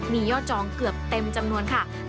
มียอดจองเกือบเต็มจำนวนค่ะ